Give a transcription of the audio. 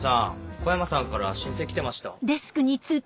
小山さんから申請きてました？